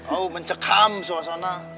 oh mencekam suasana